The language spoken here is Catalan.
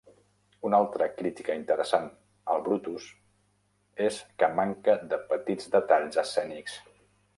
Una altra crítica interessant al Brutus és que manca de petits detalls escènics.